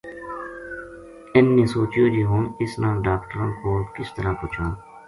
اِنھ نے سوچیو جے ہن اس نا ڈاکٹراں کول کس طرح پوہچاں